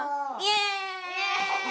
え！